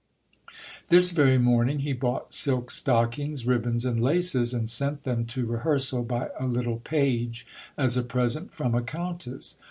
This very morning he bought silk stockings, ribbons, and laces, and sent them to rehearsal by a little page, as a present from a countess.